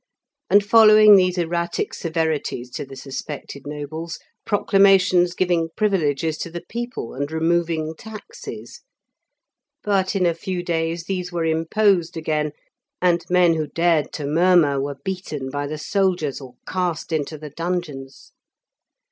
And, following these erratic severities to the suspected nobles, proclamations giving privileges to the people, and removing taxes. But in a few days these were imposed again, and men who dared to murmur were beaten by the soldiers, or cast into the dungeons.